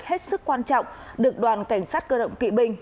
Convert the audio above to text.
hết sức quan trọng được đoàn cảnh sát cơ động kỵ binh